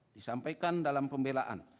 disampaikan dalam pembelaan